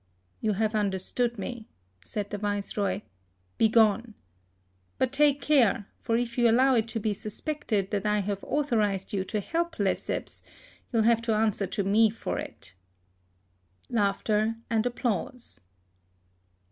"You have under stood me," said the Viceroy. " Begone ! But take care; for if you allow it to be suspected that I have authorised you to help Lesseps, you'll have to answer to me for it." (Laughter and applause.)